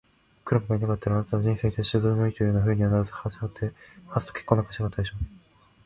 クラムがいなかったら、あなたは人生に対してどうでもいいというようなふうにはならず、したがってハンスと結婚なんかしなかったでしょう。